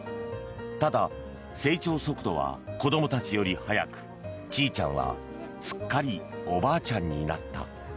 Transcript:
ただ、成長速度は子どもたちより早くちいちゃんはすっかりおばあちゃんになった。